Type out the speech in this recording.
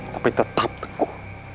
tapi tetap teguh